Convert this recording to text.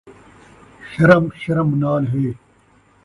شرم شرم نال ہے